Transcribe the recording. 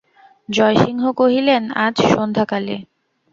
জয়সিংহ কহিলেন, আজ সন্ধ্যাকালে।